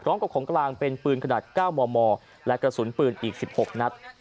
ของกลางเป็นปืนขนาด๙มมและกระสุนปืนอีก๑๖นัด